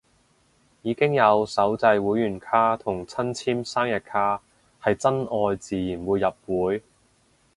已經有手製會員卡同親簽生日卡，係真愛自然會入會